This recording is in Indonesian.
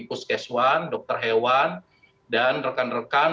puskeswan dokter hewan dan rekan rekan